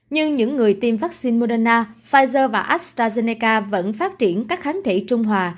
nhưng những người tiêm vaccine moderna pfizer và astrazeneca vẫn phát triển các kháng thể trung hòa